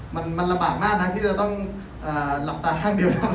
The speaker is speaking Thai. มันละหมากมากที่เราต้องลับตาข้างเดียวตลอดเวลา